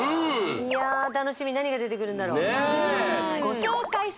いや楽しみ何が出てくるんだろう